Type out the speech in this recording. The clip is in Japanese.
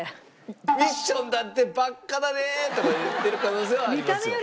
「ミッションだってバカだね」とか言ってる可能性はありますよ。